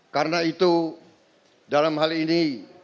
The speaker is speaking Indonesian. karena itu dalam hal ini